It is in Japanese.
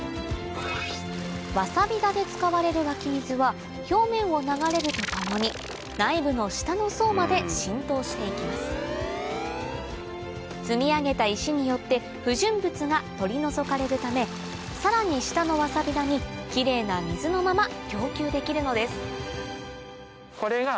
わさび田で使われる湧き水は表面を流れるとともに内部の下の層まで浸透して行きます積み上げた石によって不純物が取り除かれるためさらに下のわさび田にキレイな水のまま供給できるのですあ！